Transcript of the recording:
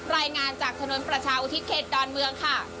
รายงานจากถนนประชาอุทิศเขตดอนเมืองค่ะ